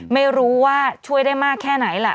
ไม่รู้ว่าช่วยได้มากแค่ไหนล่ะ